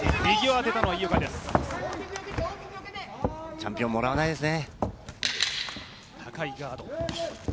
チャンピオン、もらわないですね。